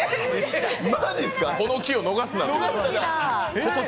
この期を逃すなと。